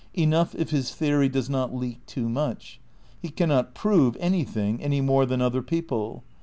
Enough if his theory does not leak too much ; he cannot prove anything any more than other people.